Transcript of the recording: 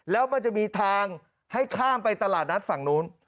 แล้วมันจะมีทางให้ข้ามไปตลาดนัดฝั่งนู้น